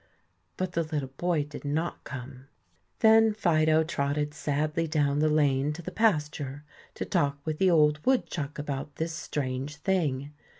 But the little boy did not come. Then Fido trotted sadly down the lane to the pasture to talk with the old woodchuck about this strange thing.